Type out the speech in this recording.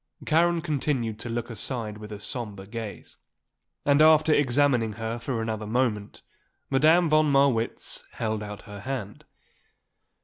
Karen continued to look aside with a sombre gaze. And, after examining her for another moment, Madame von Marwitz held out her hand.